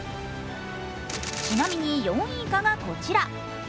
ちなみに、４位以下がこちら。